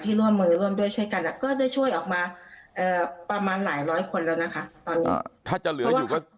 ที่ร่วมมือร่วมด้วยช่วยกันก็ได้ช่วยออกมาประมาณหลายร้อยคนแล้วนะคะ